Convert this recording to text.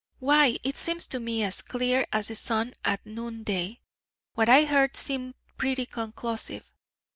"Why it seems to me as clear as the sun at noon day. What I heard seemed pretty conclusive.